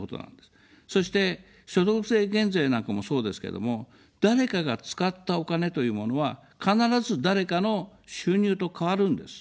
そして所得税減税なんかもそうですけども、誰かが使ったお金というものは、必ず誰かの収入と変わるんです。